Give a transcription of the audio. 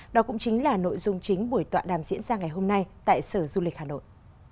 đó cũng chính là nội dung chính buổi tọa đàm diễn ra ngày hôm nay tại sở du lịch hà nội